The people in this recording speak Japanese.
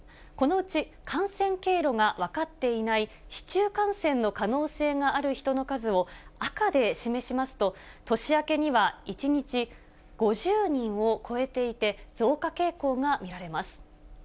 このうち感染経路が分かっていない市中感染の可能性がある人の数を、赤で示しますと、年明けには１日５０人を超えていて、増加傾向が見られます。